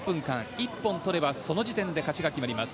一本取ればその時点で勝ちが決まります。